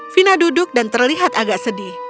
vina duduk dan terlihat agak sedih